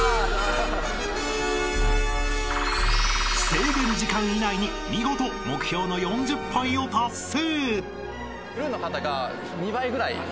［制限時間以内に見事目標の４０杯を達成！］